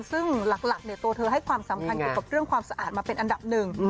ซึ่งหลักตัวเธอให้ความสำคัญเกี่ยวกับเรื่องความสะอาดมาเป็นอันดับหนึ่ง